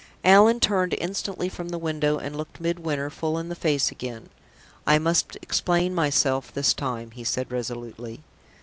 Allan turned instantly from the window, and looked Midwinter full in the face again. "I must explain myself this time," he said, resolutely.